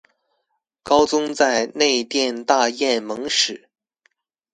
高宗在内殿大宴蒙使。